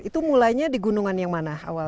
itu mulainya di gunungan yang mana awal